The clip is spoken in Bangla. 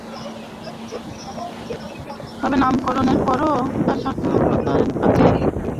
তবে নামকরণের পরেও তার সমর্থকদের কাছে এটি ত্রিপুরা কৃষক সমিতি নামেই পরিচিত ছিল।